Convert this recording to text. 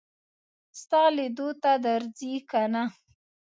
ستا لیدو ته درځي که نه.